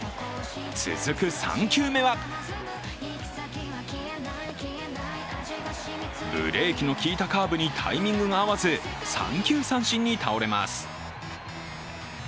続く３球目はブレーキのきいたカーブにタイミングが合わず三球三振に倒れます。